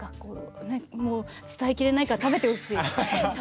伝えきれないから食べてほしい。